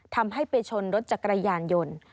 ทำให้ไปชนรถจักรยานยนต์